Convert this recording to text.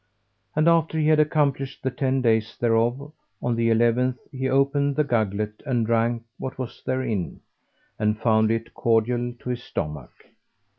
And after he had accomplished the ten days thereof, on the eleventh he opened the gugglet and drank what was therein and found it cordial to his stomach.